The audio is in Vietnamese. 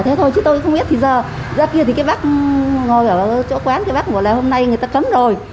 thế thôi chứ tôi cũng không biết thì giờ ra kia thì cái bác ngồi ở chỗ quán cái bác bảo là hôm nay người ta cấm rồi